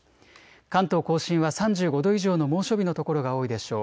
関東甲信は３５度以上の猛暑日の所が多いでしょう。